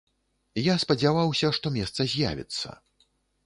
Я спадзяваўся, што месца з'явіцца.